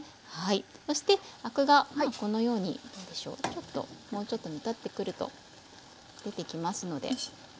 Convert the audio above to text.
そしてアクがこのようにもうちょっと煮立ってくると出てきますのではい。